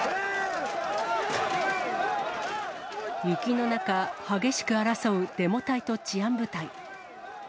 雪の中、激しく争うデモ隊と治安部隊。